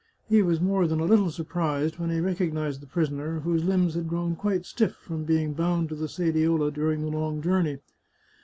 He was more than a little surprised when he recognised the prisoner, whose limbs had grown quite stiff from being bound to the sediola during the long journey.